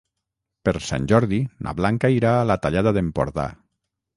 Per Sant Jordi na Blanca irà a la Tallada d'Empordà.